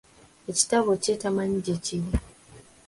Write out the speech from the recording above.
Ekitabo kye tamanyi gyekiri!